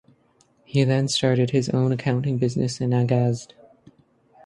He then started his own accounting business in Agadez.